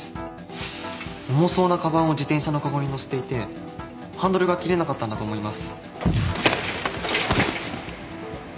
重そうなかばんを自転車のかごに載せていてハンドルが切れなかったんだと思います。